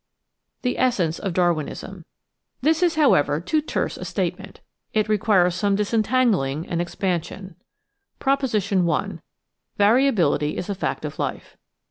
The Essence of Darwinism This is, however, too terse a statement. It requires some dis entangling and expansion. Proposition /.— Variability is a fact of life.